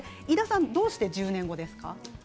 どうして１０年後ですか？